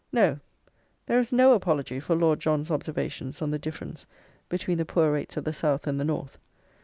No, there is no apology for Lord John's observations on the difference between the poor rates of the South and the North.